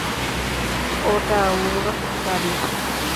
ওটা ওর বাড়ি।